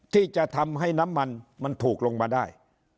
ที่จะทำให้น้ำมันมันถูกลงมาได้